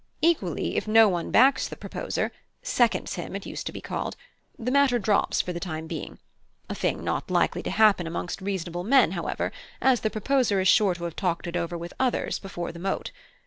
Equally, if no one backs the proposer, 'seconds him,' it used to be called the matter drops for the time being; a thing not likely to happen amongst reasonable men, however, as the proposer is sure to have talked it over with others before the Mote.